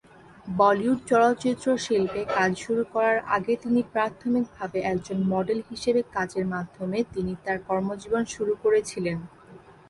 বলিউড চলচ্চিত্রে শিল্পে কাজ শুরু করার আগে তিনি প্রাথমিকভাবে একজন মডেল হিসেবে কাজের মাধ্যমে তিনি তার কর্মজীবন শুরু করেছিলেন।